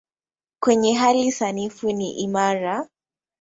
Kwenye hali sanifu ni imara.